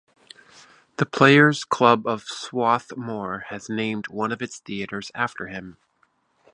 The Player's Club of Swarthmore has named one of its theaters after him.